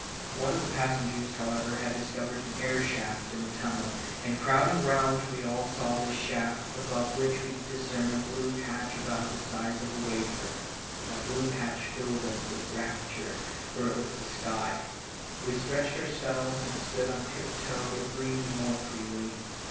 One of the passengers, however, had discovered an air shaft in the tunnel, and crowding round we all saw this shaft, above which we could discern a blue patch about the size of a wafer. That blue patch filled us with rapture, for it was the sky. We stretched ourselves and stood on tiptoe to breathe more freely.